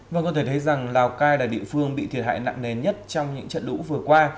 vâng có thể thấy rằng lào cai là địa phương bị thiệt hại nặng nề nhất trong những trận lũ vừa qua